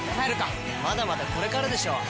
まだまだこれからでしょ！